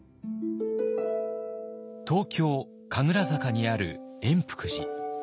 東京・神楽坂にある圓福寺。